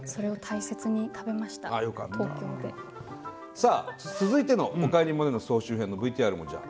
さあ続いての「おかえりモネ」の総集編のＶＴＲもじゃあ。